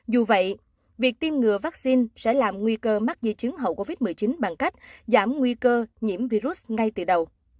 dù vậy việc tiêm ngừa vaccine sẽ làm nguy cơ mắc di chứng hậu covid một mươi chín bằng cách giảm nguy cơ nhiễm virus ngay từ đầu